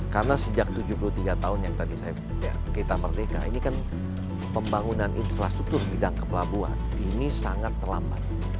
karena sejak tujuh puluh tiga tahun yang tadi saya kita perdeka ini kan pembangunan infrastruktur bidang kepelabuhan ini sangat terlambat